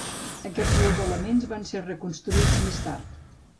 Aquests dos elements van ser reconstruïts més tard.